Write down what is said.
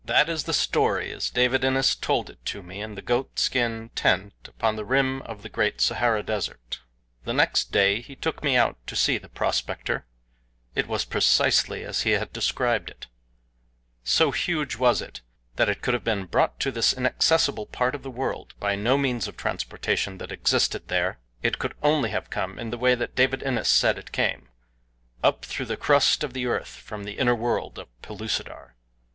That is the story as David Innes told it to me in the goat skin tent upon the rim of the great Sahara Desert. The next day he took me out to see the prospector it was precisely as he had described it. So huge was it that it could have been brought to this inaccessible part of the world by no means of transportation that existed there it could only have come in the way that David Innes said it came up through the crust of the earth from the inner world of Pellucidar.